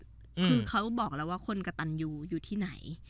คือเขาบอกแล้วว่าคนกระตันยูอยู่ที่ไหน